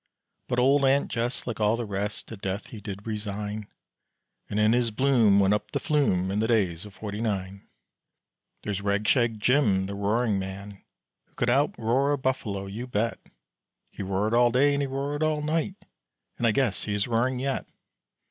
But old "Aunt Jess," like all the rest, At death he did resign, And in his bloom went up the flume In the days of Forty Nine. There is Ragshag Jim, the roaring man, Who could out roar a buffalo, you bet, He roared all day and he roared all night, And I guess he is roaring yet.